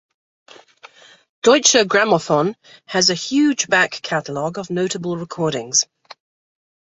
Deutsche Grammophon has a huge back catalogue of notable recordings.